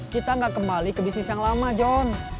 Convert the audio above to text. kita gak kembali ke bisnis yang lama john